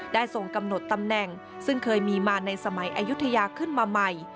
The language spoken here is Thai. ทรงกำหนดตำแหน่งซึ่งเคยมีมาในสมัยอายุทยาขึ้นมาใหม่